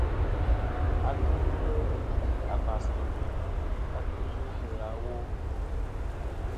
Atuŋlɨ ghɨ abas ɨ wuyn ki a kɨ yvɨtɨ awo.